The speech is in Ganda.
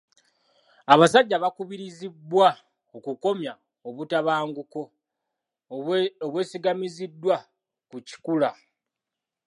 Abasajja bakubirizibwa okukomya obutabanguko obwesigamiziddwa ku kikula.